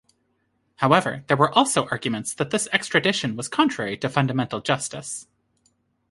However, there were also arguments that this extradition was contrary to fundamental justice.